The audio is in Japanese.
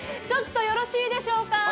ちょっとよろしいでしょうか？